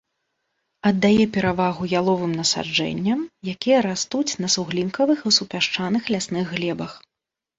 Аддае перавагу яловым насаджэнням, якія растуць на суглінкавых і супясчаных лясных глебах.